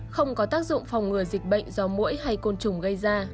không có tác dụng phòng ngừa dịch bệnh do mũi hay côn trùng gây ra